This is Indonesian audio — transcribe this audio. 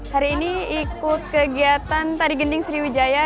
hari ini ikut kegiatan tari gending sriwijaya